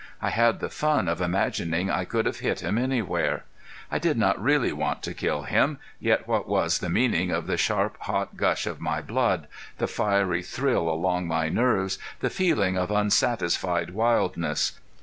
I had the fun of imagining I could have hit him anywhere. I did not really want to kill him, yet what was the meaning of the sharp, hot gush of my blood, the fiery thrill along my nerves, the feeling of unsatisfied wildness?